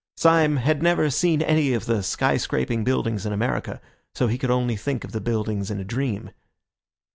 Syme had never seen any of the sky scraping buildings in America, so he could only think of the buildings in a dream.